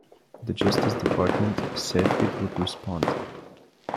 The Justice Department said it would respond.